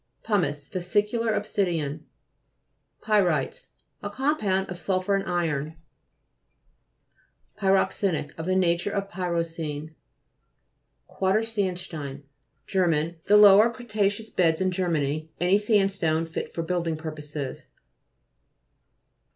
P.UMICE Vesicular obsidian. PY'RITES A compound of sulphur and iron. PY'ROXENE (p. 121). PYROXENIC Of the nature of py roxene. QUADERSANDSTEIN Ger. The lower cretaceous beds in Germany : any sandstone fit for building purposes.